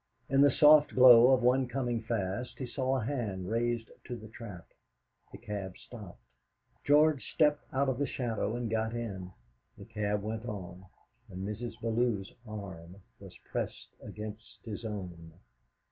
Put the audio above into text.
In the soft glow of one coming fast he saw a hand raised to the trap. The cab stopped; George stepped out of the shadow and got in. The cab went on, and Mrs. Bellew's arm was pressed against his own.